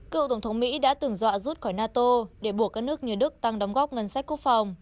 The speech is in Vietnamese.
trường dọa rút khỏi nato để buộc các nước như đức tăng đóng góp ngân sách quốc phòng